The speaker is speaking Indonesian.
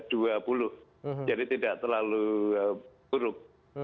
jadi tidak terlalu buruk